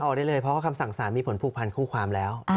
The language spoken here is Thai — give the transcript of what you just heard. ออกได้เลยเพราะว่าคำสั่งสารมีผลผูกพันคู่ความแล้ว